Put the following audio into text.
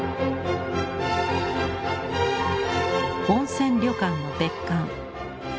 温泉旅館の別館。